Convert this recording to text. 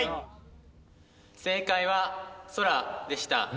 正解は空でした。